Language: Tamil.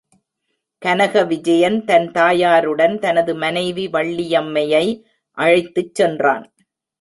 கனகவிஜயன் தன் தாயாருடன் தனது மனைவி வள்ளியம்மையை அழைத்துச் சென்றான்.